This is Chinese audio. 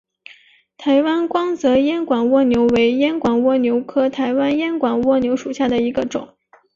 台湾光泽烟管蜗牛为烟管蜗牛科台湾烟管蜗牛属下的一个种。